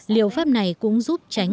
liệu pháp này cũng giúp tránh